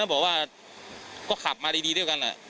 กู้ภัยก็เลยมาช่วยแต่ฝ่ายชายก็เลยมาช่วย